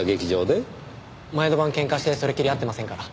前の晩ケンカしてそれっきり会ってませんから。